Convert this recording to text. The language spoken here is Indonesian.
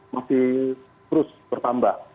masih terus bertambah